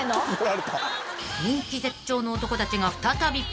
［人気絶頂の男たちが再び］